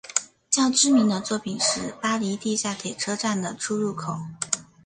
较知名的作品是巴黎地下铁车站的出入口。